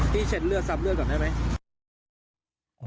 เช็ดเลือดซับเลือดก่อนได้ไหม